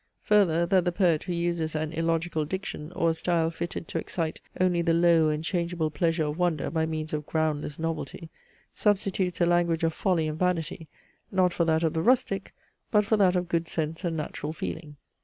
Further, that the poet, who uses an illogical diction, or a style fitted to excite only the low and changeable pleasure of wonder by means of groundless novelty, substitutes a language of folly and vanity, not for that of the rustic, but for that of good sense and natural feeling.